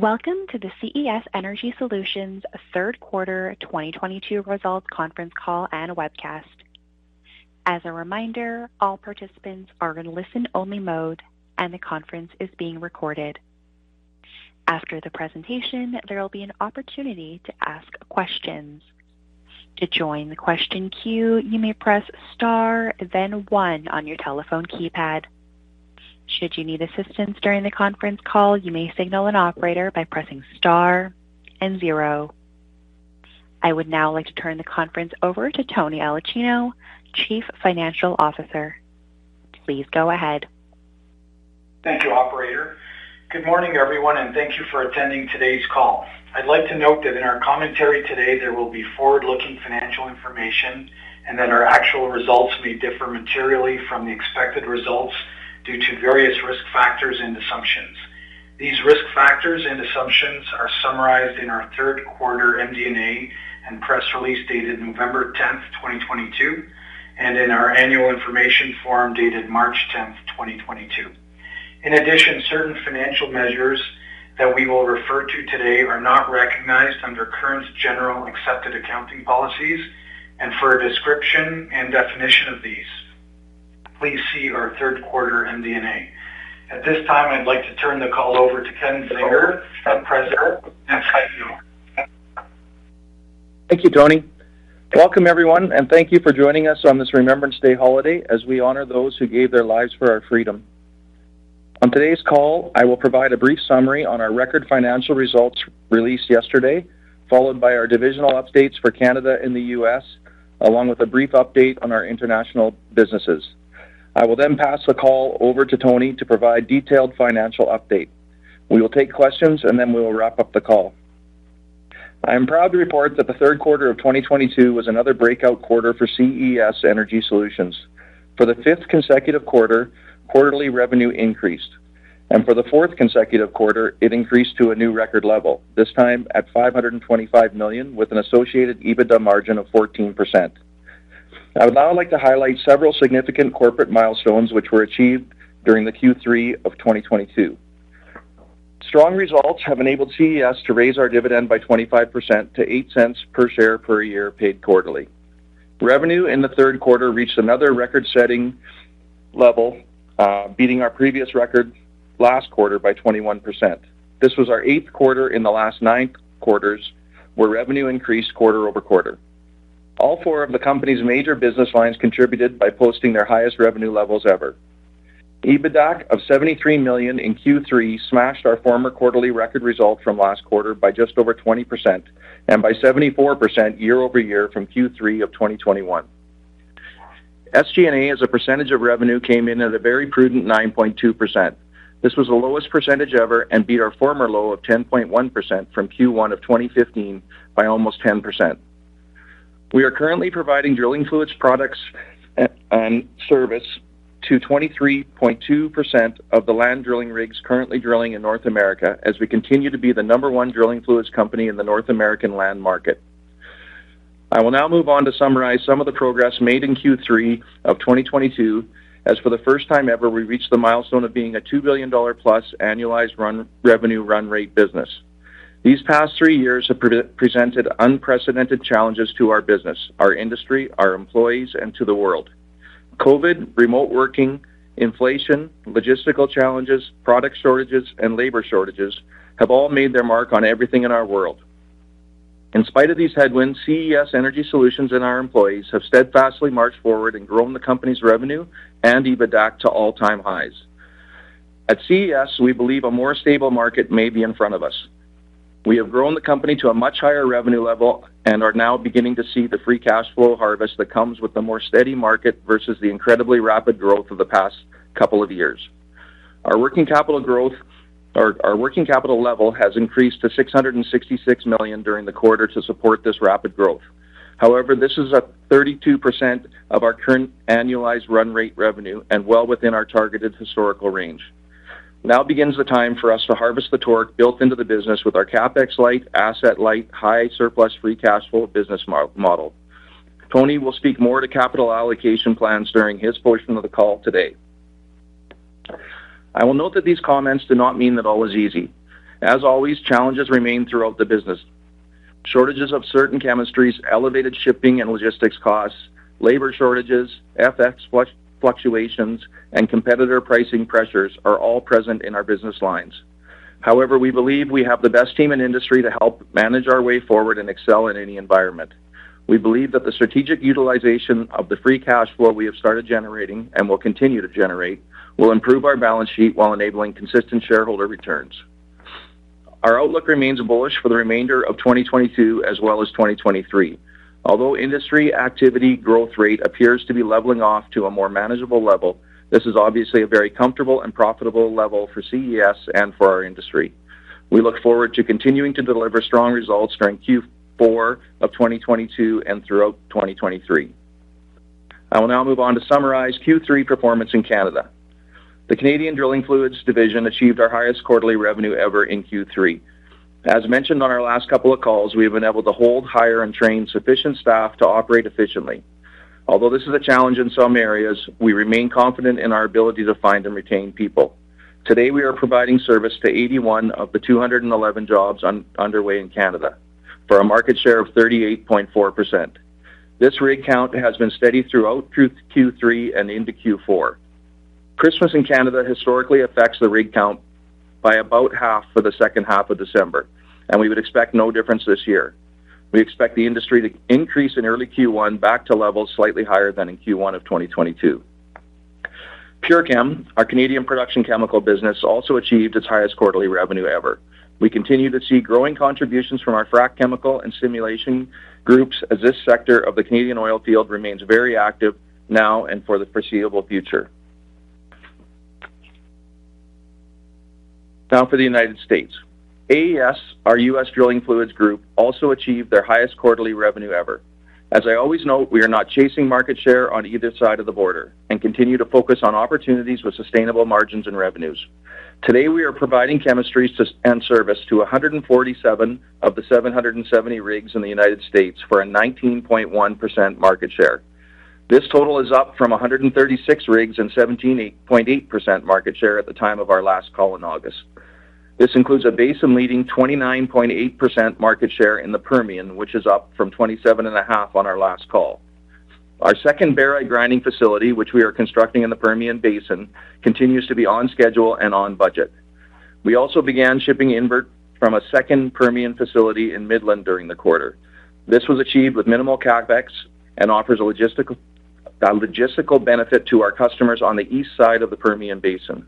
Welcome to the CES Energy Solutions Third Quarter 2022 Results Conference Call and Webcast. As a reminder, all participants are in listen only mode and the conference is being recorded. After the presentation, there will be an opportunity to ask questions. To join the question queue, you may press star, then one on your telephone keypad. Should you need assistance during the conference call, you may signal an operator by pressing star and zero. I would now like to turn the conference over to Anthony Aulicino, Chief Financial Officer. Please go ahead. Thank you, operator. Good morning, everyone, and thank you for attending today's call. I'd like to note that in our commentary today, there will be forward-looking financial information and that our actual results may differ materially from the expected results due to various risk factors and assumptions. These risk factors and assumptions are summarized in our third quarter MD&A and press release dated November 10, 2022, and in our annual information form dated March 10, 2022. In addition, certain financial measures that we will refer to today are not recognized under current generally accepted accounting principles. For a description and definition of these, please see our third quarter MD&A. At this time, I'd like to turn the call over to Ken Zinger, our President and CEO. Thank you, Tony. Welcome, everyone, and thank you for joining us on this Remembrance Day holiday as we honor those who gave their lives for our freedom. On today's call, I will provide a brief summary on our record financial results released yesterday, followed by our divisional updates for Canada and the U.S., along with a brief update on our international businesses. I will then pass the call over to Tony to provide detailed financial update. We will take questions, and then we will wrap up the call. I am proud to report that the third quarter of 2022 was another breakout quarter for CES Energy Solutions. For the fifth consecutive quarter, quarterly revenue increased. For the fourth consecutive quarter, it increased to a new record level, this time at 525 million, with an associated EBITDA margin of 14%. I would now like to highlight several significant corporate milestones which were achieved during the Q3 of 2022. Strong results have enabled CES to raise our dividend by 25% to 0.08 per share per year paid quarterly. Revenue in the third quarter reached another record-setting level, beating our previous record last quarter by 21%. This was our eighth quarter in the last nine quarters where revenue increased quarter-over-quarter. All four of the company's major business lines contributed by posting their highest revenue levels ever. EBITDAC of 73 million in Q3 smashed our former quarterly record result from last quarter by just over 20% and by 74% year-over-year from Q3 of 2021. SG&A, as a percentage of revenue, came in at a very prudent 9.2%. This was the lowest percentage ever and beat our former low of 10.1% from Q1 of 2015 by almost 10%. We are currently providing drilling fluids products and service to 23.2% of the land drilling rigs currently drilling in North America as we continue to be the number one drilling fluids company in the North American land market. I will now move on to summarize some of the progress made in Q3 of 2022, as for the first time ever, we reached the milestone of being a $2+ billion annualized revenue run rate business. These past three years have presented unprecedented challenges to our business, our industry, our employees, and to the world. COVID, remote working, inflation, logistical challenges, product shortages, and labor shortages have all made their mark on everything in our world. In spite of these headwinds, CES Energy Solutions and our employees have steadfastly marched forward and grown the company's revenue and EBITDAC to all-time highs. At CES, we believe a more stable market may be in front of us. We have grown the company to a much higher revenue level and are now beginning to see the free cash flow harvest that comes with a more steady market versus the incredibly rapid growth of the past couple of years. Our working capital level has increased to 666 million during the quarter to support this rapid growth. However, this is up 32% of our current annualized run rate revenue and well within our targeted historical range. Now begins the time for us to harvest the torque built into the business with our CapEx light, asset light, high surplus free cash flow business model. Tony will speak more to capital allocation plans during his portion of the call today. I will note that these comments do not mean that all is easy. As always, challenges remain throughout the business. Shortages of certain chemistries, elevated shipping and logistics costs, labor shortages, FX fluctuations, and competitor pricing pressures are all present in our business lines. However, we believe we have the best team in industry to help manage our way forward and excel in any environment. We believe that the strategic utilization of the free cash flow we have started generating and will continue to generate will improve our balance sheet while enabling consistent shareholder returns. Our outlook remains bullish for the remainder of 2022 as well as 2023. Although industry activity growth rate appears to be leveling off to a more manageable level, this is obviously a very comfortable and profitable level for CES and for our industry. We look forward to continuing to deliver strong results during Q4 of 2022 and throughout 2023. I will now move on to summarize Q3 performance in Canada. The Canadian drilling fluids division achieved our highest quarterly revenue ever in Q3. As mentioned on our last couple of calls, we have been able to hold, hire, and train sufficient staff to operate efficiently. Although this is a challenge in some areas, we remain confident in our ability to find and retain people. Today, we are providing service to 81 of the 211 jobs underway in Canada for a market share of 38.4%. This rig count has been steady throughout Q3 and into Q4. Christmas in Canada historically affects the rig count by about half for the second half of December, and we would expect no difference this year. We expect the industry to increase in early Q1 back to levels slightly higher than in Q1 of 2022. PureChem, our Canadian production chemical business, also achieved its highest quarterly revenue ever. We continue to see growing contributions from our frac chemical and stimulation groups as this sector of the Canadian oil field remains very active now and for the foreseeable future. Now for the United States. AES, our U.S. drilling fluids group, also achieved their highest quarterly revenue ever. As I always note, we are not chasing market share on either side of the border and continue to focus on opportunities with sustainable margins and revenues. Today, we are providing chemistries and service to 147 of the 770 rigs in the United States for a 19.1% market share. This total is up from 136 rigs and 17.8% market share at the time of our last call in August. This includes a basin-leading 29.8% market share in the Permian, which is up from 27.5 on our last call. Our second barite grinding facility, which we are constructing in the Permian Basin, continues to be on schedule and on budget. We also began shipping invert from a second Permian facility in Midland during the quarter. This was achieved with minimal CapEx and offers a logistical benefit to our customers on the east side of the Permian Basin.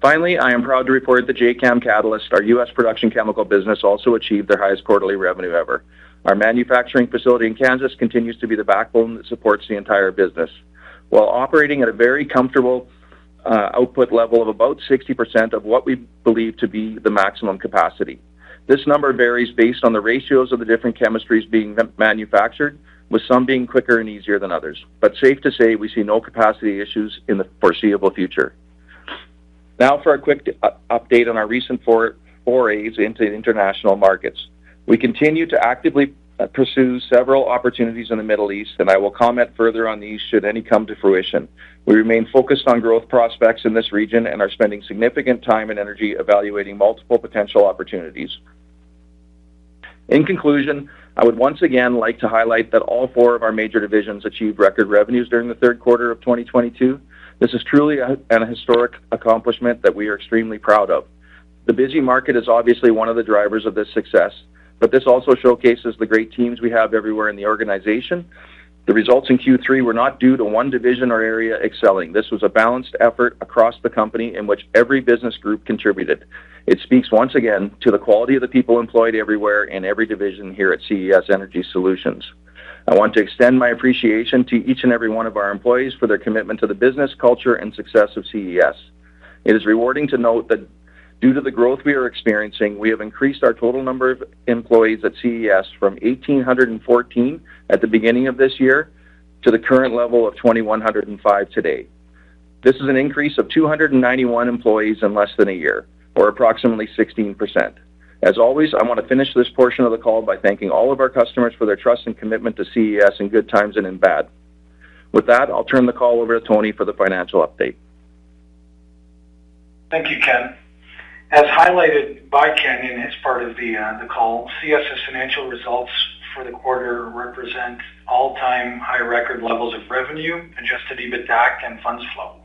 Finally, I am proud to report that Jacam Catalyst, our U.S. production chemical business, also achieved their highest quarterly revenue ever. Our manufacturing facility in Kansas continues to be the backbone that supports the entire business while operating at a very comfortable output level of about 60% of what we believe to be the maximum capacity. This number varies based on the ratios of the different chemistries being manufactured, with some being quicker and easier than others. Safe to say we see no capacity issues in the foreseeable future. Now for a quick update on our recent forays into international markets. We continue to actively pursue several opportunities in the Middle East, and I will comment further on these should any come to fruition. We remain focused on growth prospects in this region and are spending significant time and energy evaluating multiple potential opportunities. In conclusion, I would once again like to highlight that all four of our major divisions achieved record revenues during the third quarter of 2022. This is truly an historic accomplishment that we are extremely proud of. The busy market is obviously one of the drivers of this success, but this also showcases the great teams we have everywhere in the organization. The results in Q3 were not due to one division or area excelling. This was a balanced effort across the company in which every business group contributed. It speaks once again to the quality of the people employed everywhere in every division here at CES Energy Solutions. I want to extend my appreciation to each and every one of our employees for their commitment to the business, culture, and success of CES. It is rewarding to note that due to the growth we are experiencing, we have increased our total number of employees at CES from 1,814 at the beginning of this year to the current level of 2,105 today. This is an increase of 291 employees in less than a year or approximately 16%. As always, I wanna finish this portion of the call by thanking all of our customers for their trust and commitment to CES in good times and in bad. With that, I'll turn the call over to Tony for the financial update. Thank you, Ken. As highlighted by Ken as part of the call, CES' financial results for the quarter represent all-time high record levels of revenue, adjusted EBITDAC, and funds flow.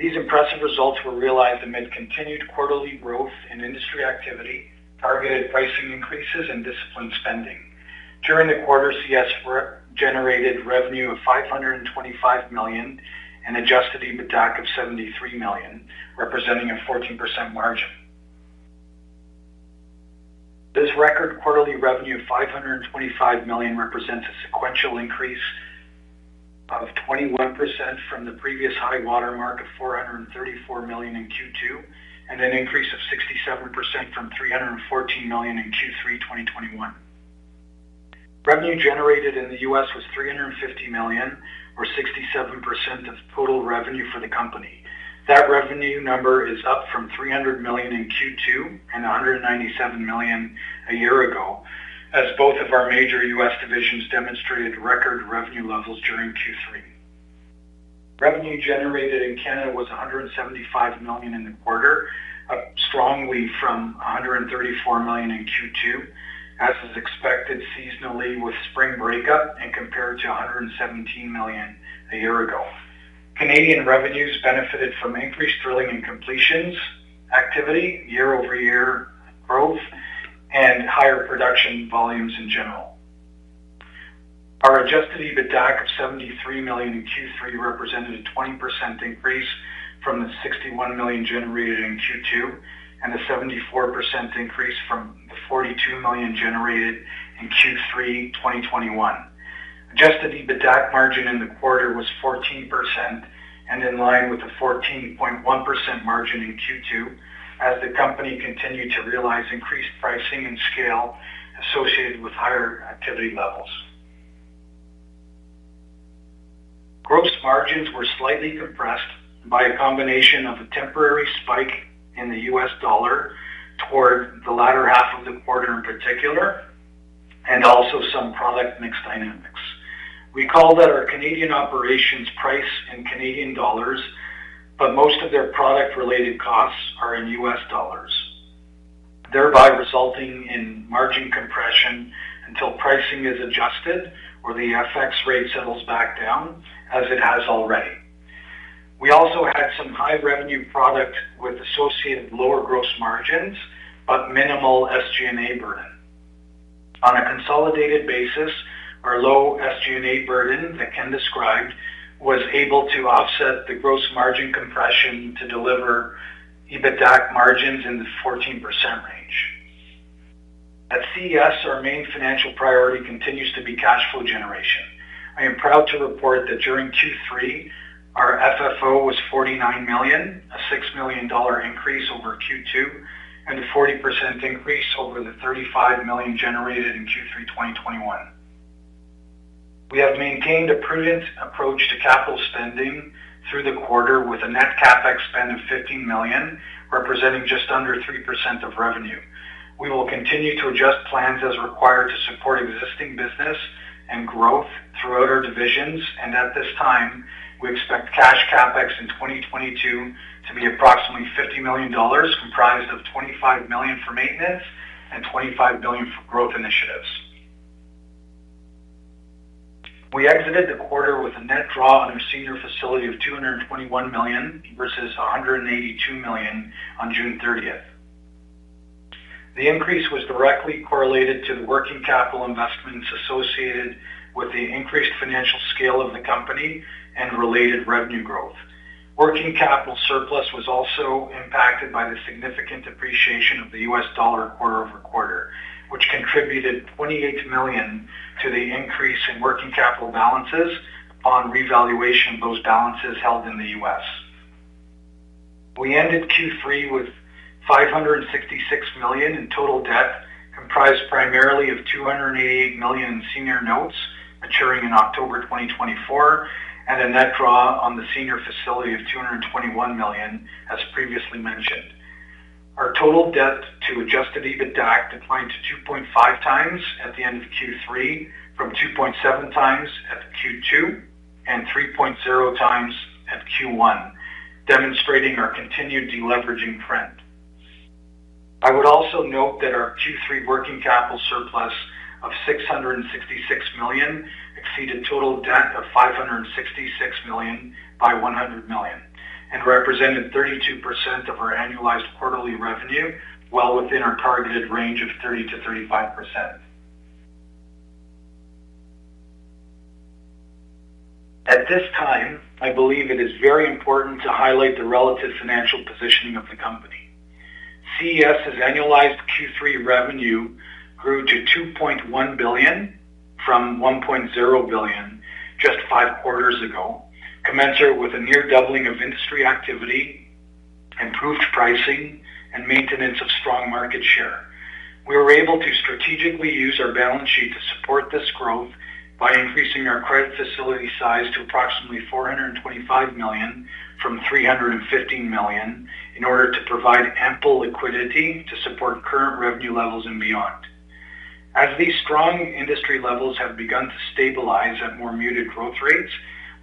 These impressive results were realized amid continued quarterly growth in industry activity, targeted pricing increases, and disciplined spending. During the quarter, CES generated revenue of 525 million and adjusted EBITDAC of 73 million, representing a 14% margin. This record quarterly revenue of 525 million represents a sequential increase of 21% from the previous high-water mark of 434 million in Q2 and an increase of 67% from 314 million in Q3 2021. Revenue generated in the U.S. was 350 million or 67% of total revenue for the company. That revenue number is up from 300 million in Q2 and 197 million a year ago, as both of our major US divisions demonstrated record revenue levels during Q3. Revenue generated in Canada was 175 million in the quarter, up strongly from 134 million in Q2, as is expected seasonally with spring breakup and compared to 117 million a year ago. Canadian revenues benefited from increased drilling and completions activity, year-over-year growth, and higher production volumes in general. Our adjusted EBITDAC of 73 million in Q3 represented a 20% increase from the 61 million generated in Q2 and a 74% increase from the 42 million generated in Q3 2021. Adjusted EBITDAC margin in the quarter was 14% and in line with the 14.1% margin in Q2 as the company continued to realize increased pricing and scale associated with higher activity levels. Gross margins were slightly compressed by a combination of a temporary spike in the US dollar toward the latter half of the quarter in particular, and also some product mix dynamics. We call that our Canadian operations price in Canadian dollars, but most of their product-related costs are in US dollars, thereby resulting in margin compression until pricing is adjusted or the FX rate settles back down as it has already. We also had some high revenue product with associated lower gross margins, but minimal SG&A burden. On a consolidated basis, our low SG&A burden that Ken described was able to offset the gross margin compression to deliver EBITDA margins in the 14% range. At CES, our main financial priority continues to be cash flow generation. I am proud to report that during Q3, our FFO was 49 million, a 6 million dollar increase over Q2, and a 40% increase over the 35 million generated in Q3 2021. We have maintained a prudent approach to capital spending through the quarter with a net CapEx spend of 15 million, representing just under 3% of revenue. We will continue to adjust plans as required to support existing business and growth throughout our divisions, and at this time, we expect cash CapEx in 2022 to be approximately 50 million dollars, comprised of 25 million for maintenance and 25 million for growth initiatives. We exited the quarter with a net draw on our senior facility of 221 million versus 182 million on June 30th. The increase was directly correlated to the working capital investments associated with the increased financial scale of the company and related revenue growth. Working capital surplus was also impacted by the significant depreciation of the US dollar quarter-over-quarter, which contributed 28 million to the increase in working capital balances on revaluation of those balances held in the US. We ended Q3 with 566 million in total debt, comprised primarily of 288 million in senior notes maturing in October 2024, and a net draw on the senior facility of 221 million, as previously mentioned. Our total debt to adjusted EBITDAC declined to 2.5x at the end of Q3 from 2.7x at Q2 and 3.0x at Q1, demonstrating our continued deleveraging trend. I would also note that our Q3 working capital surplus of 666 million exceeded total debt of 566 million by 100 million and represented 32% of our annualized quarterly revenue, well within our targeted range of 30%-35%. At this time, I believe it is very important to highlight the relative financial positioning of the company. CES's annualized Q3 revenue grew to 2.1 billion from 1.0 billion just five quarters ago, commensurate with a near doubling of industry activity, improved pricing, and maintenance of strong market share. We were able to strategically use our balance sheet to support this growth by increasing our credit facility size to approximately 425 million from 315 million in order to provide ample liquidity to support current revenue levels and beyond. As these strong industry levels have begun to stabilize at more muted growth rates,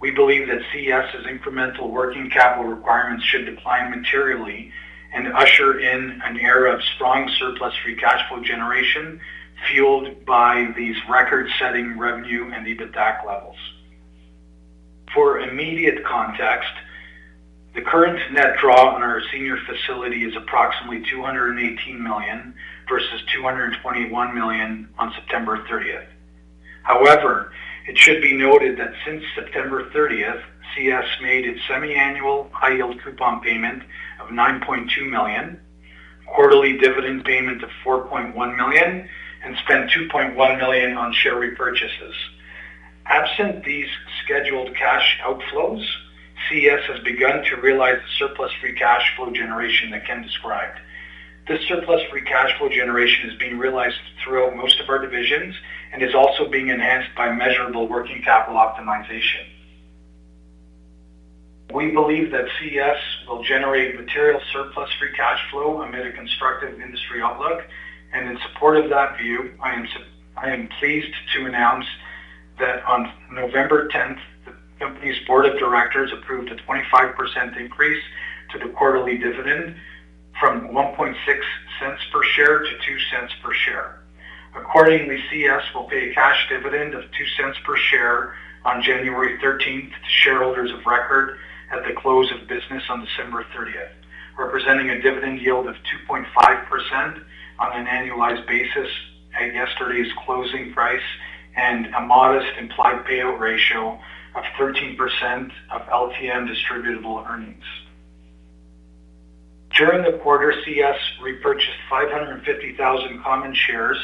we believe that CES's incremental working capital requirements should decline materially and usher in an era of strong surplus-free cash flow generation fueled by these record-setting revenue and EBITDAC levels. For immediate context, the current net draw on our senior facility is approximately 218 million versus 221 million on September 30th. However, it should be noted that since September 30th, CES made its semiannual high-yield coupon payment of 9.2 million, quarterly dividend payment of 4.1 million, and spent 2.1 million on share repurchases. Absent these scheduled cash outflows, CES has begun to realize the surplus-free cash flow generation that Ken described. This surplus-free cash flow generation is being realized throughout most of our divisions and is also being enhanced by measurable working capital optimization. We believe that CES will generate material surplus-free cash flow amid a constructive industry outlook. In support of that view, I am pleased to announce that on November tenth, the company's board of directors approved a 25% increase to the quarterly dividend from 0.016 per share to 0.02 per share. Accordingly, CES will pay a cash dividend of 0.02 per share on January thirteenth to shareholders of record at the close of business on December thirtieth, representing a dividend yield of 2.5% on an annualized basis at yesterday's closing price and a modest implied payout ratio of 13% of LTM distributable earnings. During the quarter, CES repurchased 550,000 common shares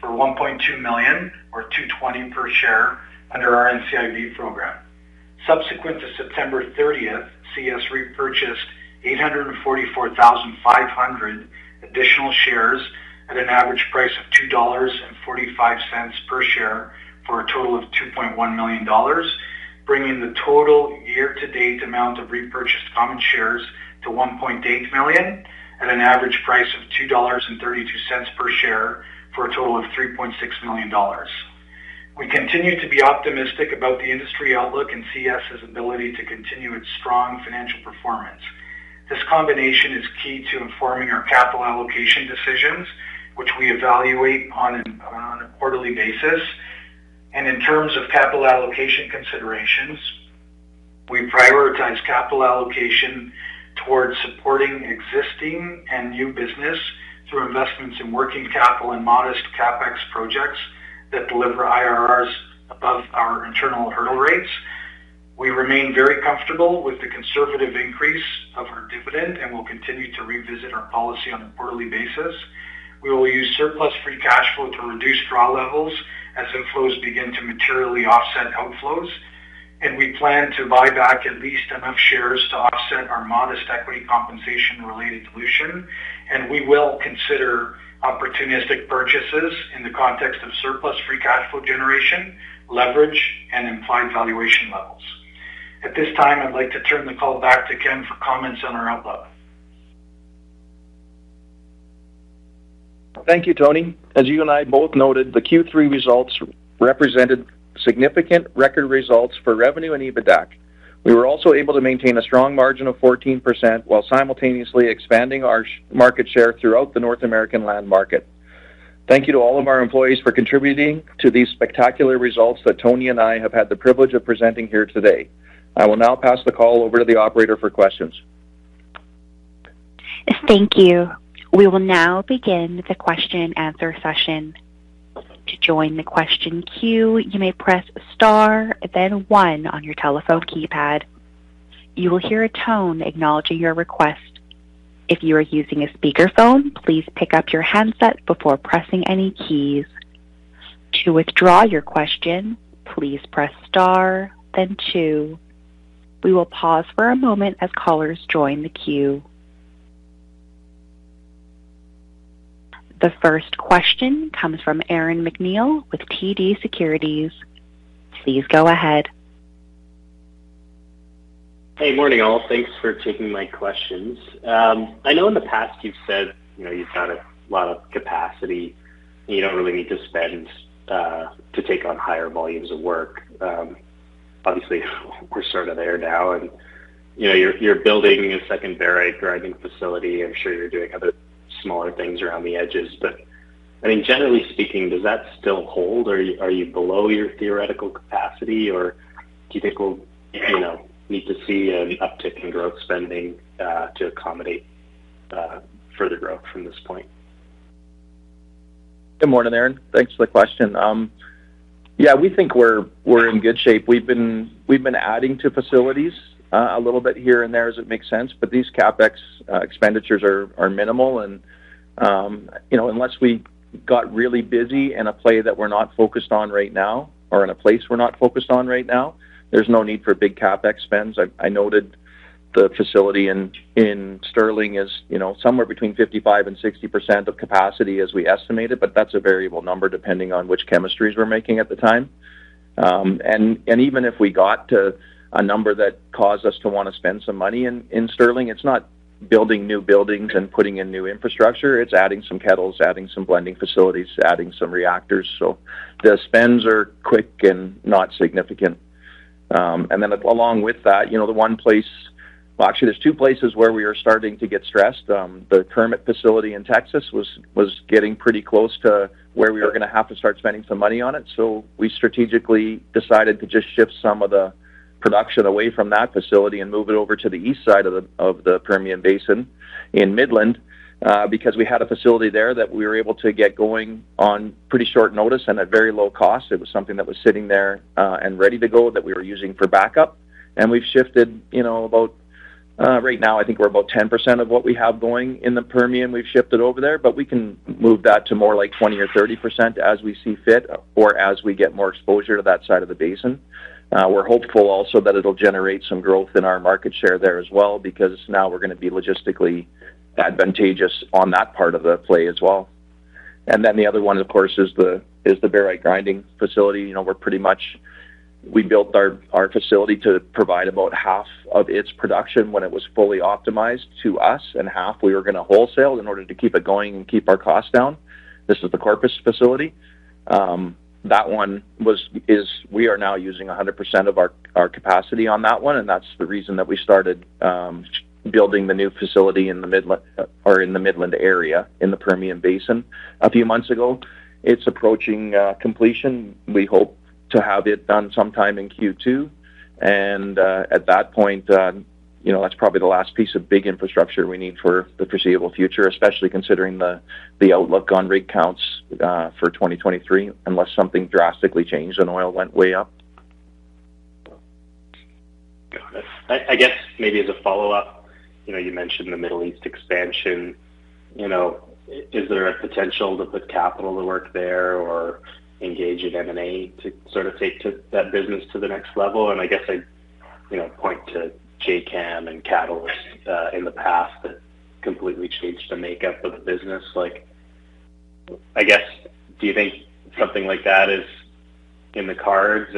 for 1.2 million or 2.20 per share under our NCIB program. Subsequent to September 30th, CES repurchased 844,500 additional shares at an average price of 2.45 dollars per share for a total of 2.1 million dollars, bringing the total year-to-date amount of repurchased common shares to 1.8 million at an average price of 2.32 dollars per share for a total of 3.6 million dollars. We continue to be optimistic about the industry outlook and CES's ability to continue its strong financial performance. This combination is key to informing our capital allocation decisions, which we evaluate on a quarterly basis. In terms of capital allocation considerations, we prioritize capital allocation towards supporting existing and new business through investments in working capital and modest CapEx projects that deliver IRR above our internal hurdle rates. We remain very comfortable with the conservative increase of our dividend, and we'll continue to revisit our policy on a quarterly basis. We will use surplus free cash flow to reduce draw levels as inflows begin to materially offset outflows. We plan to buy back at least enough shares to offset our modest equity compensation-related dilution. We will consider opportunistic purchases in the context of surplus free cash flow generation, leverage, and implied valuation levels. At this time, I'd like to turn the call back to Ken for comments on our outlook. Thank you, Tony. As you and I both noted, the Q3 results represented significant record results for revenue and EBITDA. We were also able to maintain a strong margin of 14% while simultaneously expanding our market share throughout the North American land market. Thank you to all of our employees for contributing to these spectacular results that Tony and I have had the privilege of presenting here today. I will now pass the call over to the operator for questions. Thank you. We will now begin the question and answer session. To join the question queue, you may press star then one on your telephone keypad. You will hear a tone acknowledging your request. If you are using a speakerphone, please pick up your handset before pressing any keys. To withdraw your question, please press star then two. We will pause for a moment as callers join the queue. The first question comes from Aaron MacNeil with TD Cowen. Please go ahead. Hey, morning, all. Thanks for taking my questions. I know in the past you've said, you know, you've got a lot of capacity, and you don't really need to spend to take on higher volumes of work. Obviously, we're sort of there now and, you know, you're building a second barite grinding facility. I'm sure you're doing other smaller things around the edges. I mean, generally speaking, does that still hold? Are you below your theoretical capacity, or do you think we'll, you know, need to see an uptick in growth spending to accommodate further growth from this point? Good morning, Aaron. Thanks for the question. Yeah, we think we're in good shape. We've been adding to facilities a little bit here and there as it makes sense, but these CapEx expenditures are minimal and you know, unless we got really busy in a play that we're not focused on right now or in a place we're not focused on right now, there's no need for big CapEx spends. I noted the facility in Sterling is you know, somewhere between 55% and 60% of capacity as we estimate it, but that's a variable number depending on which chemistries we're making at the time. Even if we got to a number that caused us to wanna spend some money in Sterling, it's not building new buildings and putting in new infrastructure. It's adding some kettles, adding some blending facilities, adding some reactors. The spends are quick and not significant. Along with that, you know, Well, actually there's two places where we are starting to get stressed. The Kermit facility in Texas was getting pretty close to where we were gonna have to start spending some money on it, so we strategically decided to just shift some of the production away from that facility and move it over to the east side of the Permian Basin in Midland, because we had a facility there that we were able to get going on pretty short notice and at very low cost. It was something that was sitting there, and ready to go that we were using for backup. We've shifted, you know, about right now, I think we're about 10% of what we have going in the Permian we've shifted over there, but we can move that to more like 20% or 30% as we see fit or as we get more exposure to that side of the basin. We're hopeful also that it'll generate some growth in our market share there as well because now we're gonna be logistically advantageous on that part of the play as well. Then the other one, of course, is the barite grinding facility. You know, we're pretty much we built our facility to provide about half of its production when it was fully optimized to us and half we were gonna wholesale in order to keep it going and keep our costs down. This is the Corpus Christi facility. We are now using 100% of our capacity on that one, and that's the reason that we started building the new facility in the Midland area in the Permian Basin a few months ago. It's approaching completion. We hope to have it done sometime in Q2. At that point, you know, that's probably the last piece of big infrastructure we need for the foreseeable future, especially considering the outlook on rig counts for 2023, unless something drastically changed and oil went way up. Got it. I guess maybe as a follow-up, you know, you mentioned the Middle East expansion. You know, is there a potential to put capital to work there or engage in M&A to sort of take to that business to the next level? I guess I'd- You know, point to Jacam Catalyst in the past that completely changed the makeup of the business. Like, I guess, do you think something like that is in the cards?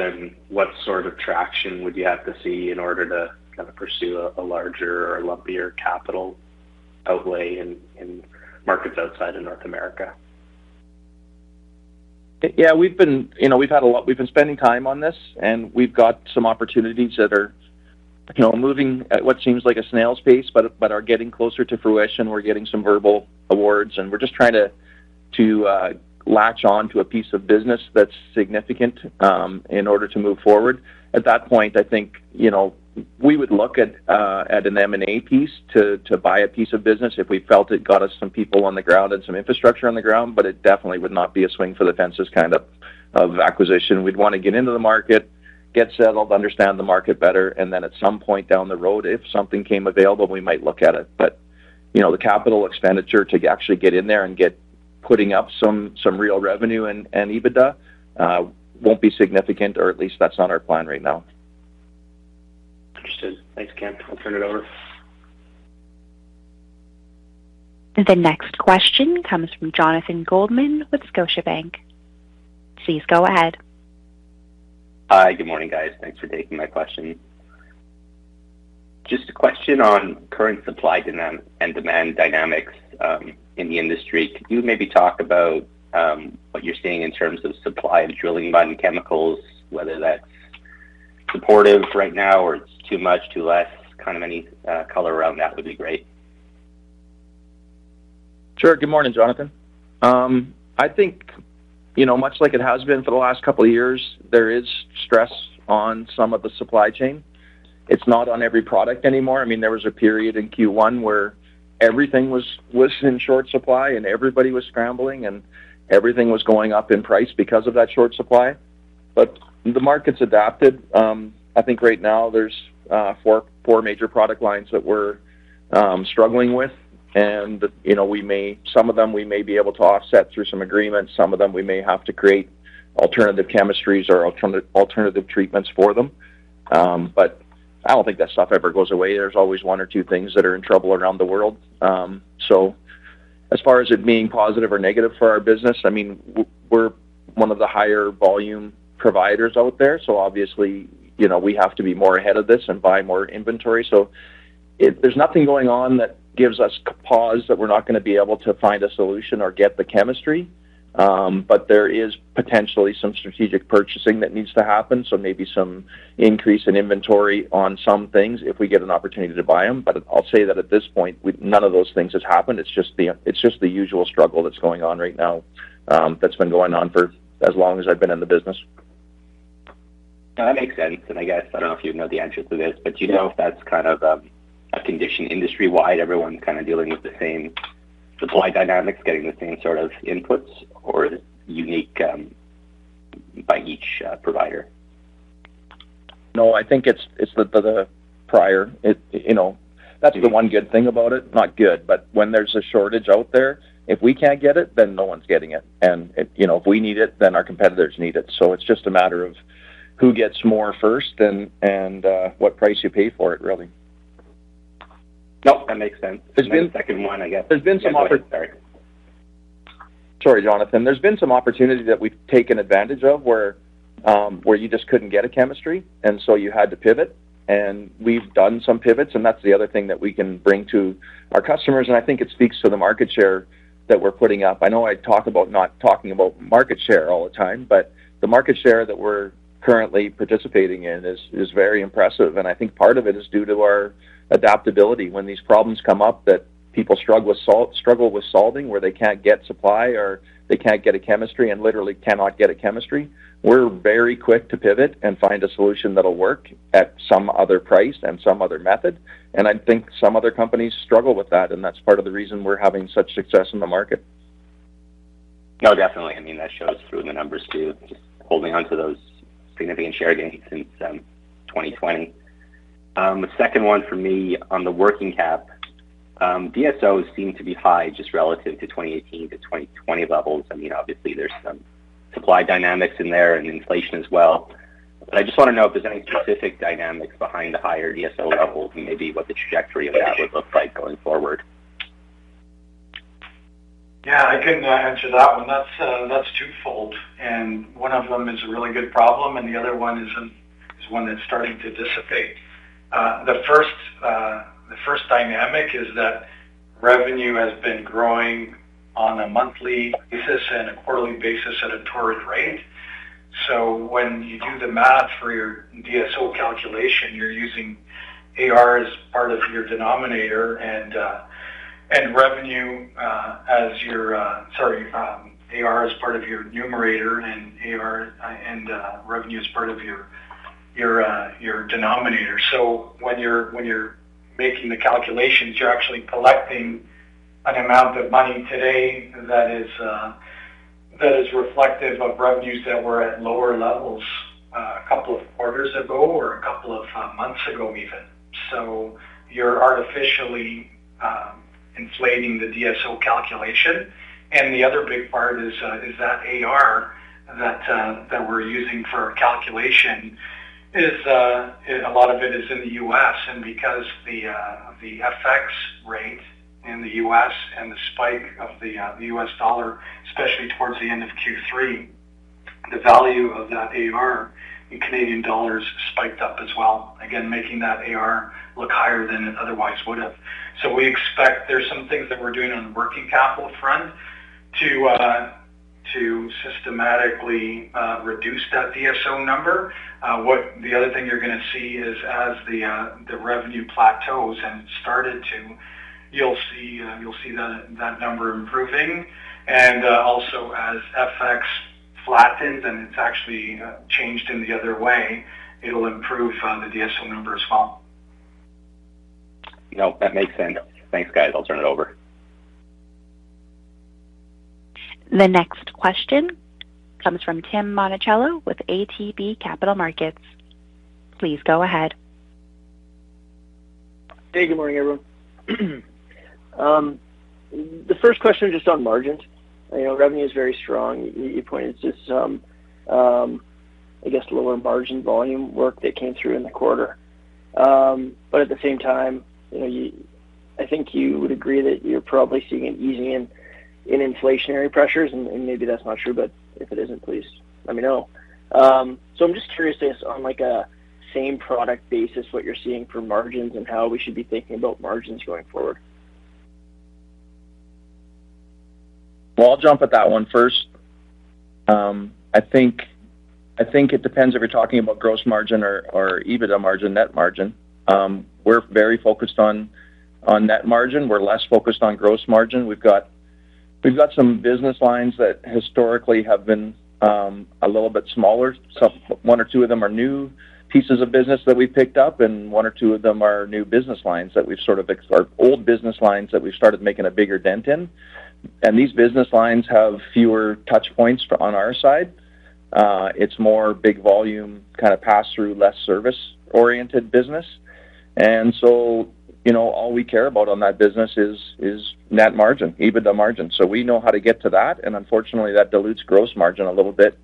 What sort of traction would you have to see in order to kind of pursue a larger or lumpier capital outlay in markets outside of North America? Yeah, we've been. You know, we've had a lot. We've been spending time on this, and we've got some opportunities that are, you know, moving at what seems like a snail's pace, but are getting closer to fruition. We're getting some verbal awards, and we're just trying to latch on to a piece of business that's significant in order to move forward. At that point, I think, you know, we would look at an M&A piece to buy a piece of business if we felt it got us some people on the ground and some infrastructure on the ground, but it definitely would not be a swing for the fences kind of acquisition. We'd wanna get into the market, get settled, understand the market better, and then at some point down the road, if something came available, we might look at it. You know, the capital expenditure to actually get in there and get putting up some real revenue and EBITDA won't be significant, or at least that's not our plan right now. Understood. Thanks, Ken. I'll turn it over. The next question comes from Jonathan Goldman with Scotiabank. Please go ahead. Hi. Good morning, guys. Thanks for taking my question. Just a question on current supply demand and demand dynamics in the industry. Could you maybe talk about what you're seeing in terms of supply of drilling and completion chemicals, whether that's supportive right now or it's too much, too less, kind of any color around that would be great. Sure. Good morning, Jonathan. I think, you know, much like it has been for the last couple of years, there is stress on some of the supply chain. It's not on every product anymore. I mean, there was a period in Q1 where everything was in short supply, and everybody was scrambling, and everything was going up in price because of that short supply. The market's adapted. I think right now there's four major product lines that we're struggling with. You know, some of them we may be able to offset through some agreements. Some of them we may have to create alternative chemistries or alternative treatments for them. I don't think that stuff ever goes away. There's always one or two things that are in trouble around the world. As far as it being positive or negative for our business, I mean, we're one of the higher volume providers out there, so obviously, you know, we have to be more ahead of this and buy more inventory. There's nothing going on that gives us pause that we're not gonna be able to find a solution or get the chemistry. There is potentially some strategic purchasing that needs to happen, so maybe some increase in inventory on some things if we get an opportunity to buy them. I'll say that at this point, we none of those things has happened. It's just the usual struggle that's going on right now, that's been going on for as long as I've been in the business. That makes sense. I guess, I don't know if you know the answer to this, but do you know if that's kind of a condition industry-wide, everyone kind of dealing with the same supply dynamics, getting the same sort of inputs, or is it unique by each provider? No, I think it's the prior. You know, that's the one good thing about it. Not good, but when there's a shortage out there, if we can't get it, then no one's getting it. You know, if we need it, then our competitors need it. It's just a matter of who gets more first and what price you pay for it, really. Nope, that makes sense. There's been- The second one, I guess. There's been some Sorry. Sorry, Jonathan. There's been some opportunities that we've taken advantage of where you just couldn't get a chemistry, and so you had to pivot. We've done some pivots, and that's the other thing that we can bring to our customers. I think it speaks to the market share that we're putting up. I know I talk about not talking about market share all the time, but the market share that we're currently participating in is very impressive. I think part of it is due to our adaptability. When these problems come up that people struggle with solving, where they can't get supply or they can't get a chemistry and literally cannot get a chemistry, we're very quick to pivot and find a solution that'll work at some other price and some other method. I think some other companies struggle with that, and that's part of the reason we're having such success in the market. No, definitely. I mean, that shows through in the numbers, too. Just holding onto those significant share gains since 2020. The second one for me on the working cap, DSOs seem to be high just relative to 2018 to 2020 levels. I mean, obviously, there's some supply dynamics in there and inflation as well. I just wanna know if there's any specific dynamics behind the higher DSO levels and maybe what the trajectory of that would look like going forward. Yeah, I can answer that one. That's twofold, and one of them is a really good problem, and the other one isn't. It's one that's starting to dissipate. The first dynamic is that revenue has been growing on a monthly basis and a quarterly basis at a torrid rate. When you do the math for your DSO calculation, you're using AR as part of your numerator and revenue as part of your denominator. When you're making the calculations, you're actually collecting an amount of money today that is reflective of revenues that were at lower levels a couple of quarters ago or a couple of months ago even. You're artificially inflating the DSO calculation. The other big part is that AR that we're using for our calculation is a lot of it is in the U.S. Because the FX rate in the U.S. and the spike of the US dollar, especially towards the end of Q3, the value of that AR in Canadian dollars spiked up as well, again, making that AR look higher than it otherwise would have. We expect there's some things that we're doing on the working capital front to systematically reduce that DSO number. The other thing you're gonna see is as the revenue plateaus and started to, you'll see that number improving. Also as FX flattens and it's actually changed in the other way, it'll improve the DSO number as well. No, that makes sense. Thanks, guys. I'll turn it over. The next question comes from Tim Monachello with ATB Capital Markets. Please go ahead. Hey, good morning, everyone. The first question is just on margins. You know, revenue is very strong. You pointed to some, I guess, lower margin volume work that came through in the quarter. At the same time, you know, you, I think you would agree that you're probably seeing an easing in inflationary pressures, and maybe that's not true, but if it isn't, please let me know. I'm just curious as on like a same product basis, what you're seeing for margins and how we should be thinking about margins going forward. Well, I'll jump at that one first. I think it depends if you're talking about gross margin or EBITDA margin, net margin. We're very focused on net margin. We're less focused on gross margin. We've got some business lines that historically have been a little bit smaller. Some one or two of them are new pieces of business that we picked up, and one or two of them are new business lines that we've or old business lines that we've started making a bigger dent in. These business lines have fewer touch points on our side. It's more big volume, kinda pass-through, less service-oriented business. You know, all we care about on that business is net margin, EBITDA margin. We know how to get to that, and unfortunately, that dilutes gross margin a little bit.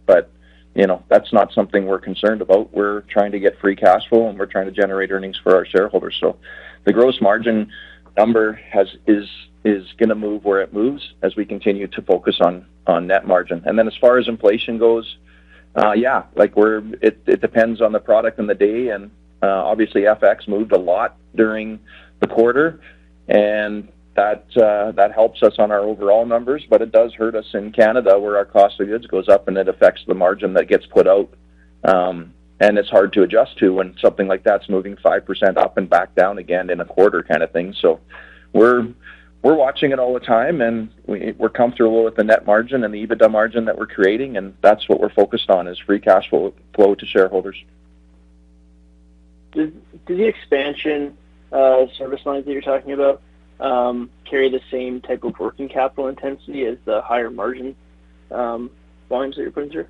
You know, that's not something we're concerned about. We're trying to get free cash flow, and we're trying to generate earnings for our shareholders. The gross margin number is gonna move where it moves as we continue to focus on net margin. Then as far as inflation goes, yeah, like it depends on the product and the day. Obviously, FX moved a lot during the quarter, and that helps us on our overall numbers. It does hurt us in Canada, where our cost of goods goes up, and it affects the margin that gets put out. It's hard to adjust to when something like that's moving 5% up and back down again in a quarter kinda thing. We're watching it all the time, and we're comfortable with the net margin and the EBITDA margin that we're creating, and that's what we're focused on, is free cash flow to shareholders. Do the expansion service lines that you're talking about carry the same type of working capital intensity as the higher margin volumes that you're putting through?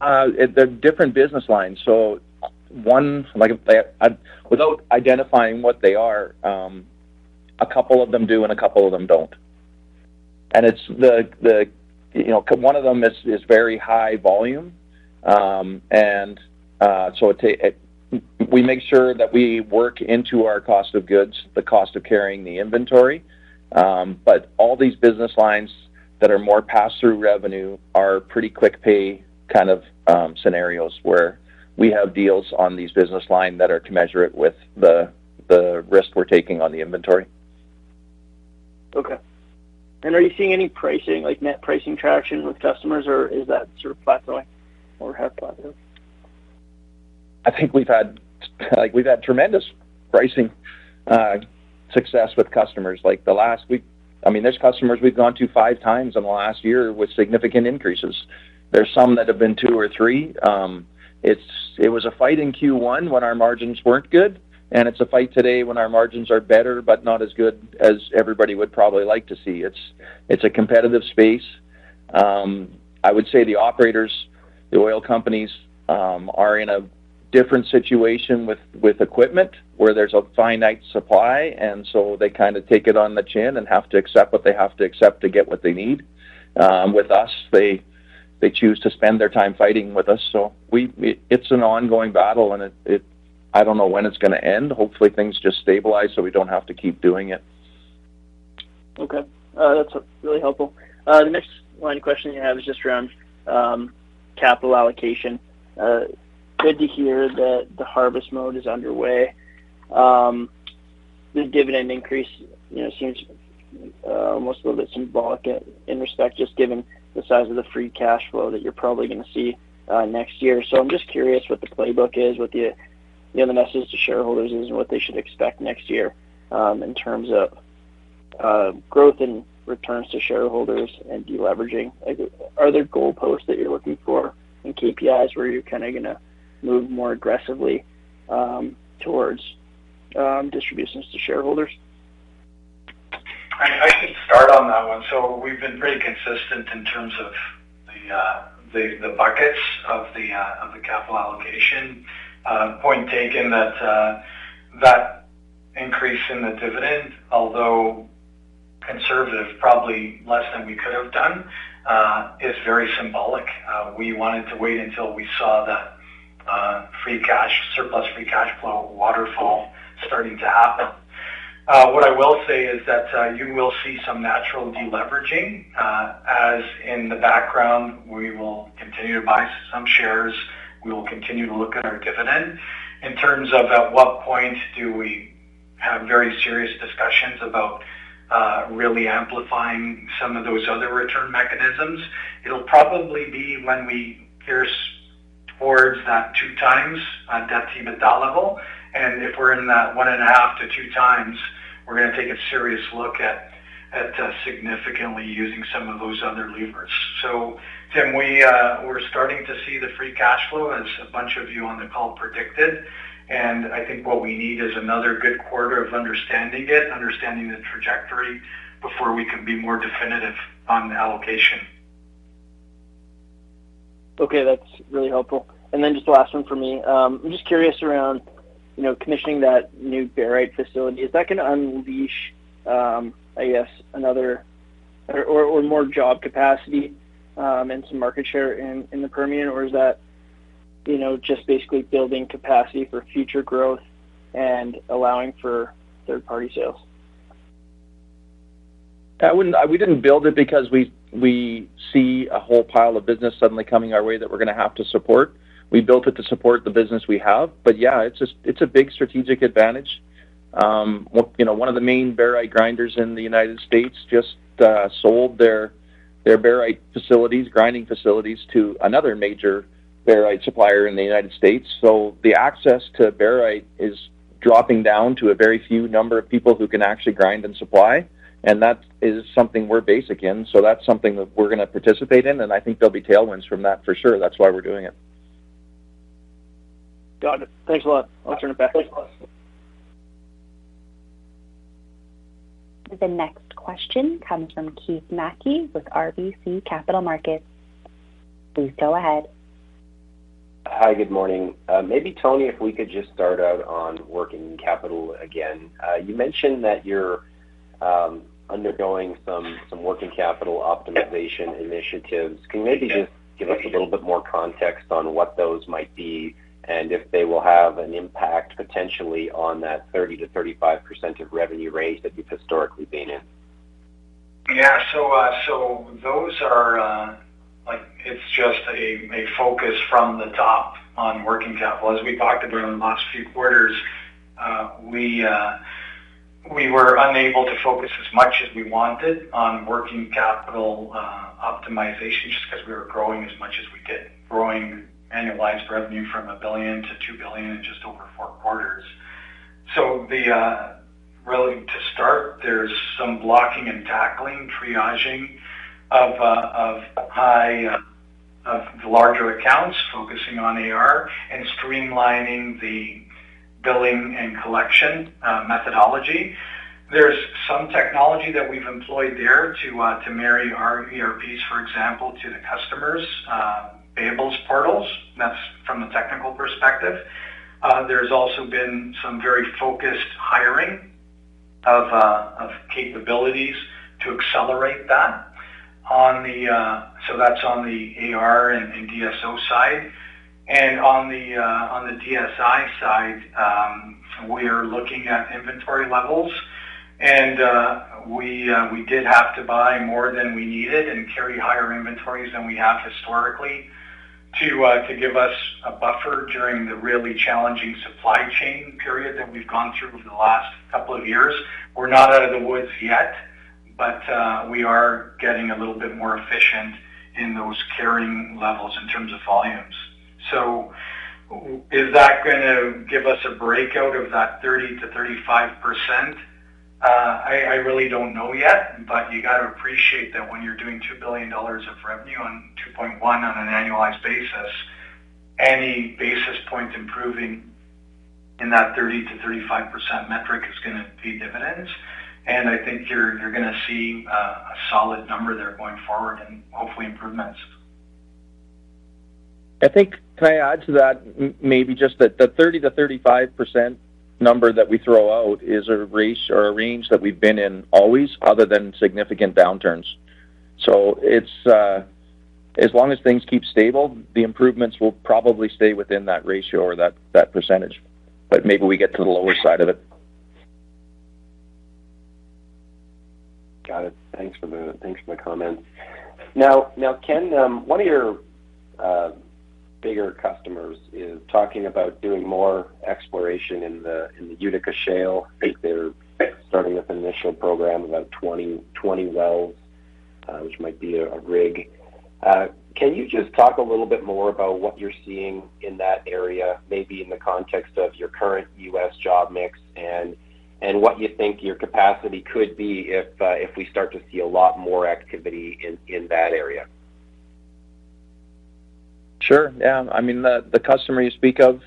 They're different business lines. One, like, without identifying what they are, a couple of them do and a couple of them don't. You know, one of them is very high volume. We make sure that we work into our cost of goods, the cost of carrying the inventory. All these business lines that are more pass-through revenue are pretty quick pay kind of scenarios where we have deals on these business line that are commensurate with the risk we're taking on the inventory. Okay. Are you seeing any pricing, like net pricing traction with customers, or is that sort of plateauing or have plateaued? I think we've had, like, we've had tremendous pricing success with customers. Like, the last week I mean, there's customers we've gone to 5x in the last year with significant increases. There are some that have been two or three. It was a fight in Q1 when our margins weren't good, and it's a fight today when our margins are better but not as good as everybody would probably like to see. It's a competitive space. I would say the operators, the oil companies, are in a different situation with equipment where there's a finite supply, and they kinda take it on the chin and have to accept what they have to accept to get what they need. With us, they choose to spend their time fighting with us. It's an ongoing battle, and it. I don't know when it's gonna end. Hopefully, things just stabilize, so we don't have to keep doing it. Okay. That's really helpful. The next line of questioning I have is just around capital allocation. Good to hear that the harvest mode is underway. The dividend increase, you know, seems almost a little bit symbolic in respect, just given the size of the free cash flow that you're probably gonna see next year. I'm just curious what the playbook is, what the other message to shareholders is, and what they should expect next year in terms of growth in returns to shareholders and deleveraging. Like, are there goalposts that you're looking for in KPIs where you're kinda gonna move more aggressively towards distributions to shareholders? We've been pretty consistent in terms of the buckets of the capital allocation. Point taken, that increase in the dividend, although conservative, probably less than we could have done, is very symbolic. We wanted to wait until we saw that surplus free cash flow waterfall starting to happen. What I will say is that you will see some natural de-leveraging, as in the background, we will continue to buy some shares, we will continue to look at our dividend. In terms of at what point do we have very serious discussions about really amplifying some of those other return mechanisms, it'll probably be when we pierce towards that 2x debt EBITDA level. If we're in that 1.5-2x, we're gonna take a serious look at significantly using some of those other levers. Tim, we're starting to see the free cash flow as a bunch of you on the call predicted. I think what we need is another good quarter of understanding it, understanding the trajectory before we can be more definitive on the allocation. Okay. That's really helpful. Then just the last one for me. I'm just curious around, you know, commissioning that new barite facility. Is that gonna unleash, I guess, or more job capacity, and some market share in the Permian? Or is that, you know, just basically building capacity for future growth and allowing for third-party sales? We didn't build it because we see a whole pile of business suddenly coming our way that we're gonna have to support. We built it to support the business we have. But yeah, it's a big strategic advantage. You know, one of the main barite grinders in the United States just sold their barite facilities, grinding facilities to another major barite supplier in the United States. So the access to barite is dropping down to a very few number of people who can actually grind and supply, and that is something we're based in. So that's something that we're gonna participate in, and I think there'll be tailwinds from that for sure. That's why we're doing it. Got it. Thanks a lot. I'll turn it back. The next question comes from Keith Mackey with RBC Capital Markets. Please go ahead. Hi, good morning. Maybe Tony, if we could just start out on working capital again. You mentioned that you're undergoing some working capital optimization initiatives. Can you maybe just give us a little bit more context on what those might be, and if they will have an impact potentially on that 30%-35% of revenue rate that you've historically been in? Yeah. Those are like, it's just a focus from the top on working capital. As we talked about in the last few quarters, we were unable to focus as much as we wanted on working capital optimization just because we were growing as much as we did, growing annualized revenue from 1 billion to 2 billion in just over four quarters. Really, to start, there's some blocking and tackling, triaging of the larger accounts, focusing on AR and streamlining the billing and collection methodology. There's some technology that we've employed there to marry our ERP, for example, to the customers' payables portals. That's from a technical perspective. There's also been some very focused hiring of capabilities to accelerate that on the AR and DSO side. On the DSI side, we are looking at inventory levels. We did have to buy more than we needed and carry higher inventories than we have historically to give us a buffer during the really challenging supply chain period that we've gone through over the last couple of years. We're not out of the woods yet, but we are getting a little bit more efficient in those carrying levels in terms of volumes. Is that gonna give us a breakout of that 30%-35%? I really don't know yet. You got to appreciate that when you're doing $2 billion of revenue and $2.1 billion on an annualized basis, any basis point improving in that 30%-35% metric is gonna pay dividends. I think you're gonna see a solid number there going forward and hopefully improvements. Can I add to that? Maybe just that the 30%-35% number that we throw out is a range that we've been in always other than significant downturns. It's, as long as things keep stable, the improvements will probably stay within that ratio or that percentage. Maybe we get to the lower side of it. Got it. Thanks for the comment. Now, Ken, one of your bigger customers is talking about doing more exploration in the Utica Shale. I think they're starting with an initial program, about 20 wells, which might be a rig. Can you just talk a little bit more about what you're seeing in that area, maybe in the context of your current US job mix, and what you think your capacity could be if we start to see a lot more activity in that area? Sure. Yeah. I mean, the customer you speak of,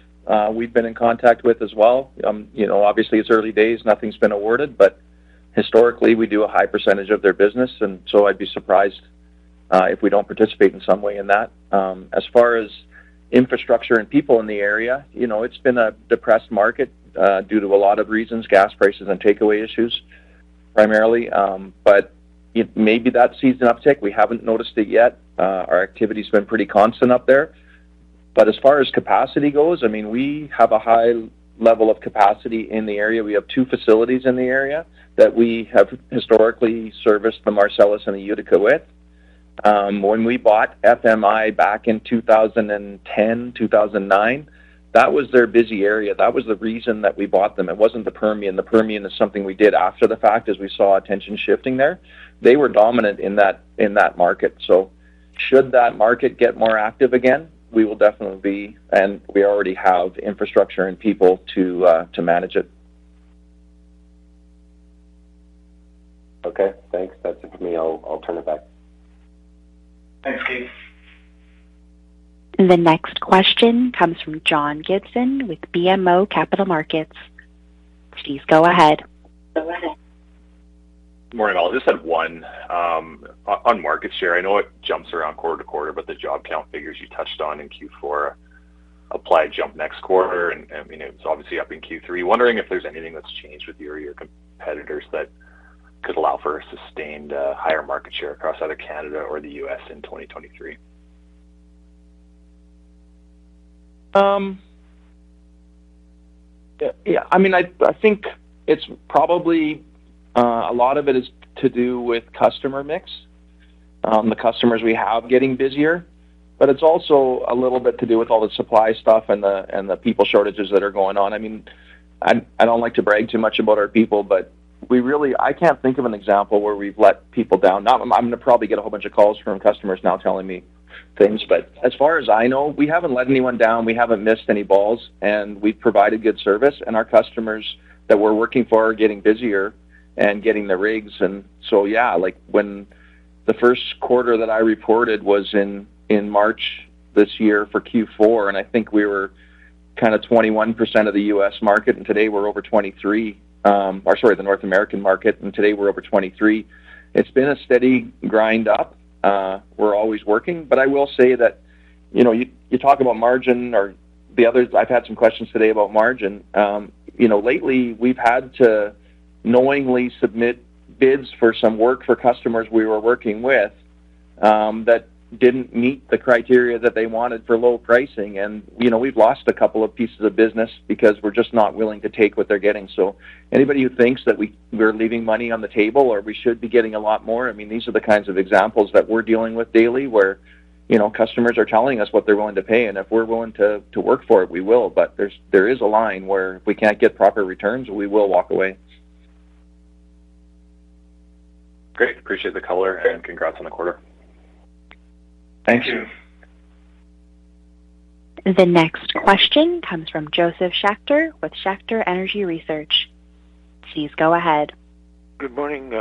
we've been in contact with as well. You know, obviously, it's early days, nothing's been awarded, but historically, we do a high percentage of their business, and so I'd be surprised if we don't participate in some way in that. As far as infrastructure and people in the area, you know, it's been a depressed market due to a lot of reasons, gas prices and takeaway issues primarily. It may be the area sees an uptick. We haven't noticed it yet. Our activity's been pretty constant up there. As far as capacity goes, I mean, we have a high level of capacity in the area. We have two facilities in the area that we have historically serviced the Marcellus and the Utica with. When we bought FMI back in 2010, 2009, that was their busy area. That was the reason that we bought them. It wasn't the Permian. The Permian is something we did after the fact as we saw attention shifting there. They were dominant in that market. Should that market get more active again, we will definitely be, and we already have the infrastructure and people to manage it. Okay, thanks. That's it for me. I'll turn it back. Thanks, Keith. The next question comes from John Gibson with BMO Capital Markets. Please go ahead. Good morning, all. Just had one. On market share, I know it jumps around quarter to quarter, but the job count figures you touched on in Q4 apply a jump next quarter. I mean, it's obviously up in Q3. Wondering if there's anything that's changed with you or your competitors that could allow for a sustained higher market share across either Canada or the U.S. in 2023. I mean, I think it's probably a lot of it is to do with customer mix, the customers we have getting busier. It's also a little bit to do with all the supply stuff and the people shortages that are going on. I mean, I don't like to brag too much about our people, but I can't think of an example where we've let people down. Now I'm gonna probably get a whole bunch of calls from customers now telling me things. As far as I know, we haven't let anyone down, we haven't missed any balls, and we've provided good service. Our customers that we're working for are getting busier and getting the rigs. Yeah, like, when the first quarter that I reported was in March this year for Q4, and I think we were kinda 21% of the US market, and today we're over 23%, or sorry, the North American market, and today we're over 23%. It's been a steady grind up. We're always working. But I will say that, you know, you talk about margin or the other. I've had some questions today about margin. You know, lately we've had to knowingly submit bids for some work for customers we were working with, that didn't meet the criteria that they wanted for low pricing. You know, we've lost a couple of pieces of business because we're just not willing to take what they're getting. Anybody who thinks that we're leaving money on the table or we should be getting a lot more, I mean, these are the kinds of examples that we're dealing with daily, where, you know, customers are telling us what they're willing to pay, and if we're willing to work for it, we will. There is a line where if we can't get proper returns, we will walk away. Great. Appreciate the color, and congrats on the quarter. Thank you. The next question comes from Josef Schachter with Schachter Energy Research. Please go ahead. Good morning,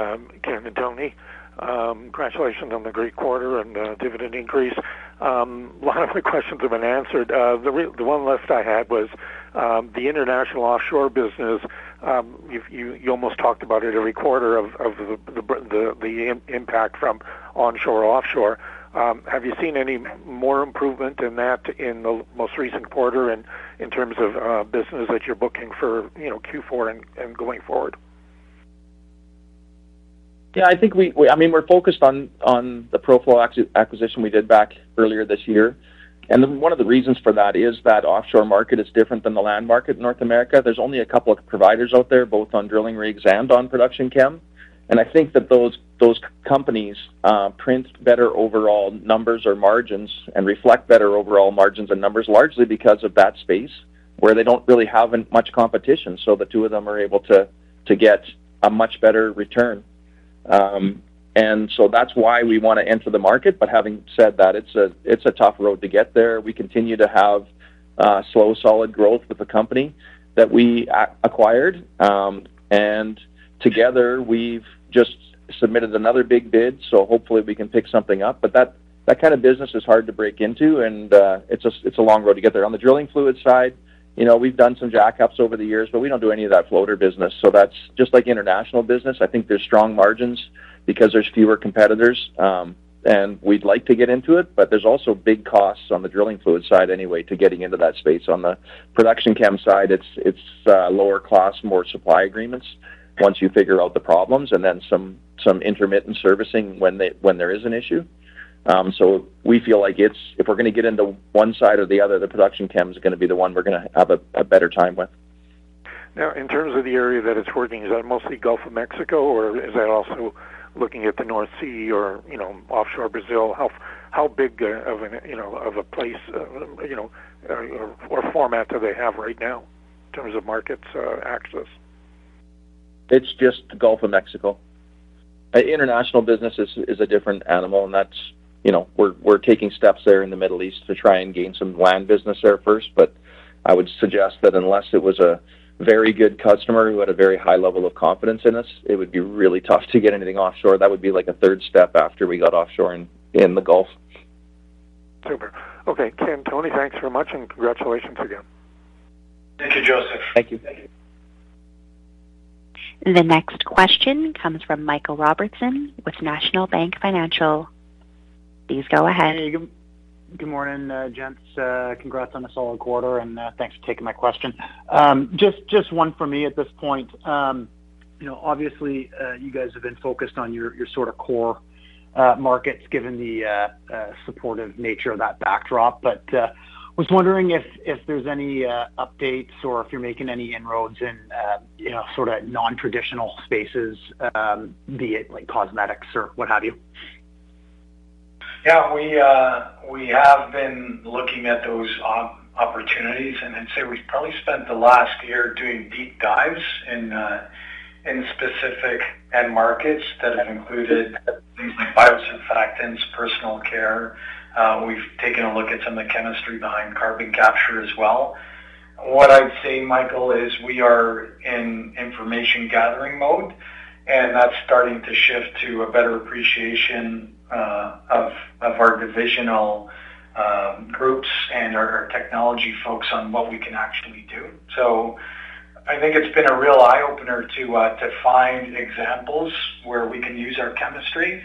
Ken and Tony. Congratulations on the great quarter and dividend increase. A lot of the questions have been answered. The one left I had was the international offshore business. You almost talked about it every quarter of the impact from onshore or offshore. Have you seen any more improvement in that in the most recent quarter in terms of business that you're booking for, you know, Q4 and going forward? Yeah, I think we're focused on the Proflow acquisition we did back earlier this year. One of the reasons for that is that offshore market is different than the land market in North America. There's only a couple of providers out there, both on drilling rigs and on production chem. I think that those companies print better overall numbers or margins and reflect better overall margins and numbers largely because of that space where they don't really have much competition. The two of them are able to get a much better return. That's why we wanna enter the market. Having said that, it's a tough road to get there. We continue to have slow, solid growth with the company that we acquired. Together, we've just submitted another big bid, so hopefully we can pick something up. That kind of business is hard to break into, and it's a long road to get there. On the drilling fluids side, you know, we've done some jackups over the years, but we don't do any of that floater business. That's just like international business. I think there's strong margins because there's fewer competitors. We'd like to get into it, but there's also big costs on the drilling fluids side anyway to getting into that space. On the production chem side, it's lower cost, more supply agreements once you figure out the problems, and then some intermittent servicing when there is an issue. We feel like it's if we're gonna get into one side or the other, the production chem's gonna be the one we're gonna have a better time with. Now, in terms of the area that it's working, is that mostly Gulf of Mexico, or is that also looking at the North Sea or, you know, offshore Brazil? How big of an, you know, of a place, you know, or format do they have right now in terms of markets or access? It's just the Gulf of Mexico. International business is a different animal, and that's, you know, we're taking steps there in the Middle East to try and gain some land business there first. I would suggest that unless it was a very good customer who had a very high level of confidence in us, it would be really tough to get anything offshore. That would be like a third step after we got offshore in the Gulf. Super. Okay. Ken, Tony, thanks very much, and congratulations again. Thank you, Josef. Thank you. Thank you. The next question comes from Michael Robertson with National Bank Financial. Please go ahead. Hey, good morning, gents. Congrats on a solid quarter, and thanks for taking my question. Just one for me at this point. You know, obviously, you guys have been focused on your sorta core markets given the supportive nature of that backdrop. Was wondering if there's any updates or if you're making any inroads in, you know, sorta nontraditional spaces, be it like cosmetics or what have you. Yeah. We have been looking at those opportunities. I'd say we've probably spent the last year doing deep dives in specific end markets that have included things like biosurfactants, personal care. We've taken a look at some of the chemistry behind carbon capture as well. What I'd say, Michael, is we are in information gathering mode, and that's starting to shift to a better appreciation of our divisional groups and our technology folks on what we can actually do. I think it's been a real eye-opener to find examples where we can use our chemistry,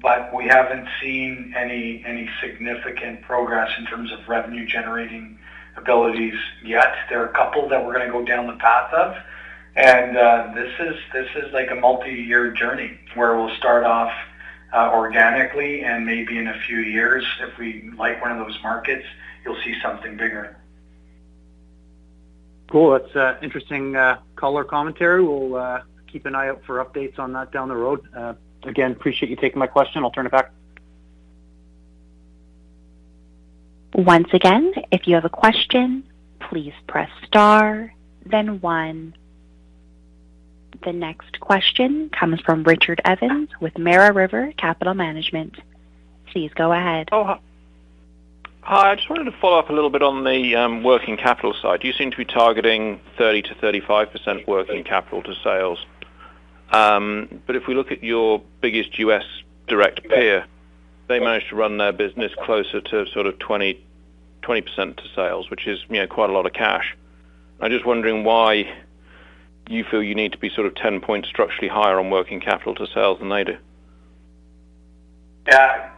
but we haven't seen any significant progress in terms of revenue generating abilities yet. There are a couple that we're gonna go down the path of, and this is like a multiyear journey where we'll start off organically and maybe in a few years, if we like one of those markets, you'll see something bigger. Cool. That's a interesting call or commentary. We'll keep an eye out for updates on that down the road. Again, appreciate you taking my question. I'll turn it back. Once again, if you have a question, please press star then one. The next question comes from Richard Evans with Mara River Capital Management. Please go ahead. Oh, Hi. I just wanted to follow up a little bit on the working capital side. You seem to be targeting 30%-35% working capital to sales. If we look at your biggest U.S. direct peer, they manage to run their business closer to sort of 20% to sales, which is, you know, quite a lot of cash. I'm just wondering why you feel you need to be sort of 10 points structurally higher on working capital to sales than they do. Yeah.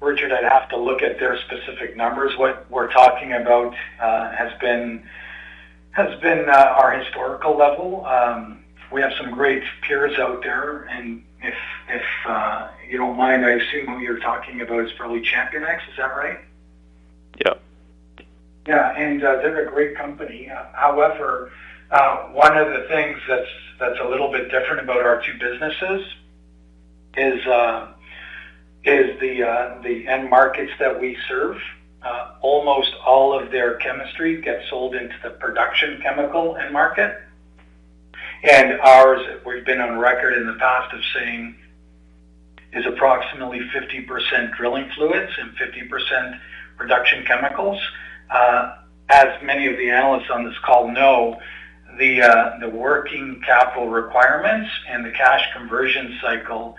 Richard, I'd have to look at their specific numbers. What we're talking about has been our historical level. We have some great peers out there, and if you don't mind, I assume who you're talking about is probably ChampionX, is that right? Yep. Yeah, they're a great company. However, one of the things that's a little bit different about our two businesses is the end markets that we serve. Almost all of their chemistry gets sold into the production chemical end market. Ours, we've been on record in the past of saying, is approximately 50% drilling fluids and 50% production chemicals. As many of the analysts on this call know, the working capital requirements and the cash conversion cycle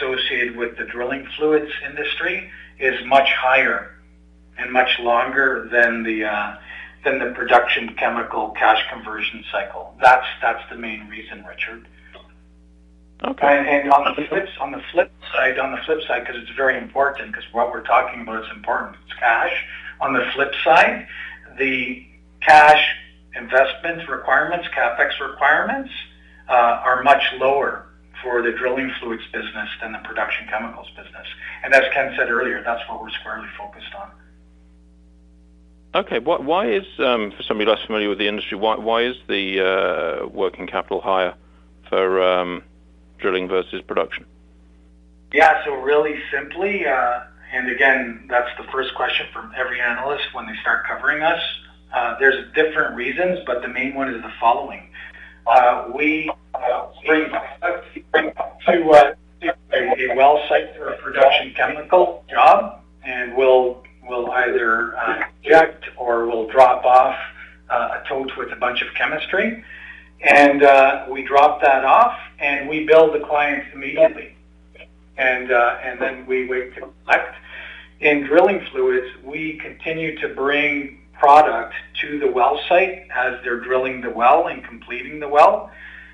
associated with the drilling fluids industry is much higher and much longer than the production chemical cash conversion cycle. That's the main reason, Richard. Okay. On the flip side, 'cause it's very important, 'cause what we're talking about is important, it's cash. On the flip side, the cash investment requirements, CapEx requirements, are much lower for the drilling fluids business than the production chemicals business. As Ken said earlier, that's what we're squarely focused on. Okay. Why is, for somebody less familiar with the industry, why is the working capital higher for drilling versus production? Yeah. Really simply, and again, that's the first question from every analyst when they start covering us. There's different reasons, but the main one is the following. We bring to a well site or a production chemical job, and we'll either get or we'll drop off a tote with a bunch of chemistry. We drop that off, and we bill the client immediately. We wait to collect. In drilling fluids, we continue to bring product to the well site as they're drilling the well and completing the well.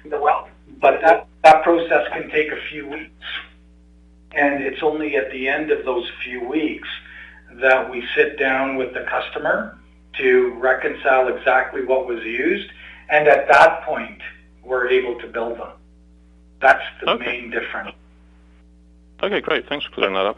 That process can take a few weeks. It's only at the end of those few weeks that we sit down with the customer to reconcile exactly what was used. At that point, we're able to bill them. Okay. That's the main difference. Okay, great. Thanks for clearing that up.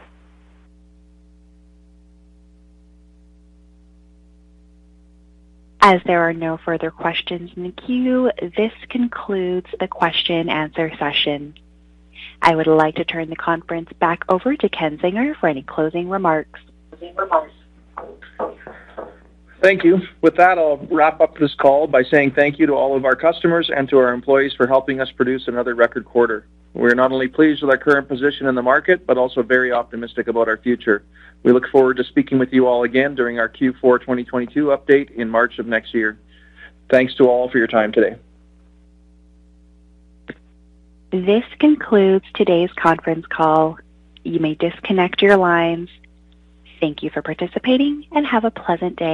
As there are no further questions in the queue, this concludes the question and answer session. I would like to turn the conference back over to Ken Zinger for any closing remarks. Thank you. With that, I'll wrap up this call by saying thank you to all of our customers and to our employees for helping us produce another record quarter. We're not only pleased with our current position in the market but also very optimistic about our future. We look forward to speaking with you all again during our Q4 "2022 update" in March of next year. Thanks to all for your time today. This concludes today's conference call. You may disconnect your lines. Thank you for participating, and have a pleasant day.